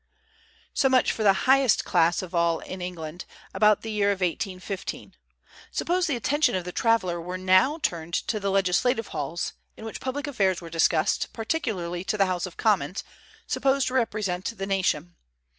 So much for the highest class of all in England, about the year 1815. Suppose the attention of the traveller were now turned to the legislative halls, in which public affairs were discussed, particularly to the House of Commons, supposed to represent the nation.